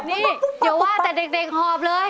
นี่อย่าว่าแต่เด็กหอบเลย